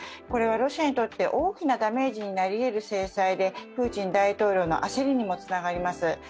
これはロシアにとって大きなダメージになりえる制裁でプーチン大統領の焦りにもつながります。